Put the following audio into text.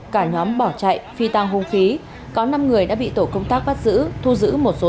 chín trăm một mươi một cả nhóm bỏ chạy phi tăng hung khí có năm người đã bị tổ công tác bắt giữ thu giữ một số